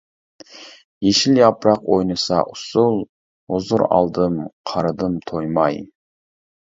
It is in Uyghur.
يېشىل ياپراق ئوينىسا ئۇسسۇل، ھۇزۇر ئالدىم-قارىدىم تويماي.